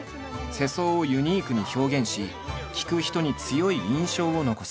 世相をユニークに表現し聞く人に強い印象を残す。